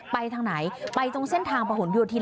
ไปทางไหนไปตรงเส้นทางประหุ่นดิวทิน